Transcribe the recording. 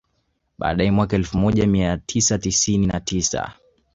Baadae mwaka elfu moja mia tisa tisini na tisa